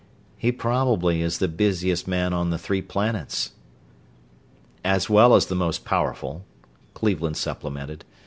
"He probably is the busiest man on the three planets." "As well as the most powerful," Cleveland supplemented.